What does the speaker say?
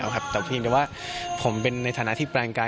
สินธรรมหานุมานมารำ